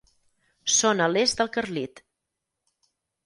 Són a l'est del Carlit.